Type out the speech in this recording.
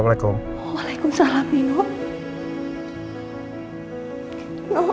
kalau harus menerima perselingkuhan yang sudah administrasi uz restrictionu kak